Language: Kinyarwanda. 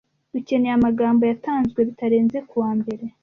Dukeneye amagambo yatanzwe bitarenze kuwa mbere.